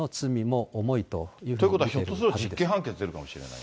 とすると、ひょっとすると実刑判決出るかもしれない。